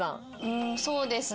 うんそうですね。